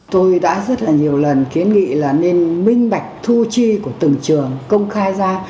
tôi đã rất là nhiều lần kiến nghị là nên minh bạch thu chi của từng trường công khai ra